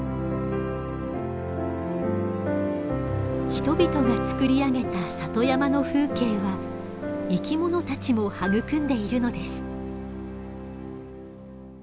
人々が作り上げた里山の風景は生き物たちも育んでいるのです。